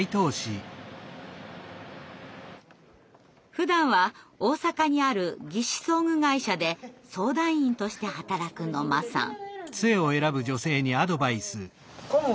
ふだんは大阪にある義肢装具会社で相談員として働く野間さん。